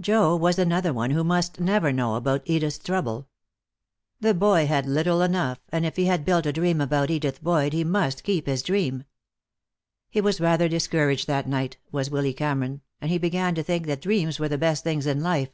Joe was another one who must never know about Edith's trouble. The boy had little enough, and if he had built a dream about Edith Boyd he must keep his dream. He was rather discouraged that night, was Willy Cameron, and he began to think that dreams were the best things in life.